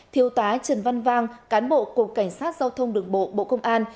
thiếu tá trần văn vang cán bộ cục cảnh sát giao thông đường bộ bộ công an